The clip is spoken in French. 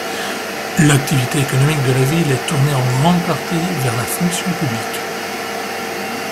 L'activité économique de la ville est tournée en grande partie vers la fonction publique.